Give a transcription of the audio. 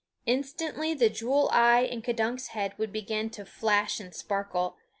Instantly the jewel eye in K'dunk's head would begin to flash and sparkle.